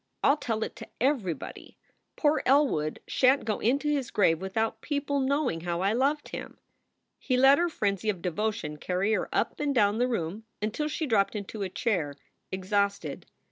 I ll tell it to everybody. Poor Elwood sha n t go into his grave without people knowing how I loved him." He let her frenzy of devotion carry her up and down the room until she dropped into a chair, exhausted.